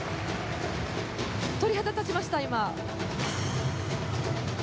鳥肌が立ちました、今。